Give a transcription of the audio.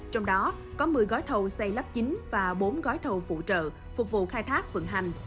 trong đó có một mươi gói thầu xây lắp chính và bốn gói thầu phụ trợ phục vụ khai thác vận hành